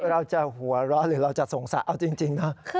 เราจะหัวเราะหรือเราจะสงสัยเอาจริงนะ